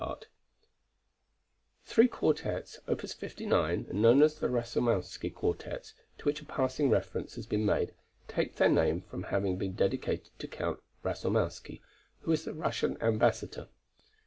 The three quartets, opus 59, known as the Rasoumowsky Quartets, to which a passing reference has been made, take their name from having been dedicated to Count Rasoumowsky, who was the Russian ambassador.